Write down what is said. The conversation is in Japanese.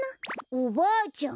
おばあちゃん。